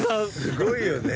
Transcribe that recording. すごいよね。